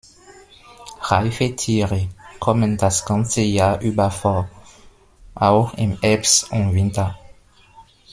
Reife Tiere kommen das ganze Jahr über vor, auch im Herbst und Winter.